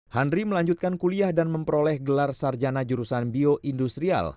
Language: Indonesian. henry melanjutkan kuliah dan memperoleh gelar sarjana jurusan bioindustrial